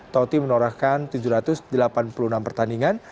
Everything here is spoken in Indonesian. totti menorakkan tujuh ratus delapan puluh enam pertandingan